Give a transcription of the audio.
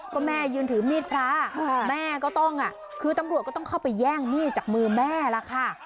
ก็แม่ยืนถือมีดพระแม่ก็ต้องคือตำรวจก็ต้องเข้าไปแย่งมีดจากมือแม่ล่ะค่ะ